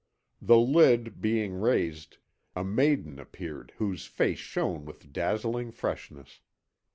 "The lid being raised, a maiden appeared whose face shone with dazzling freshness.